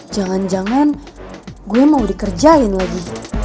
jangan jangan gue mau dikerjain lagi